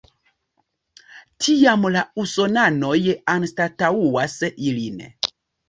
Tiam la usonanoj anstataŭas ilin.